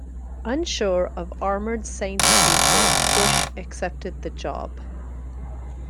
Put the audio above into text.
Unsure of Armored Saint's future, Bush accepted the job.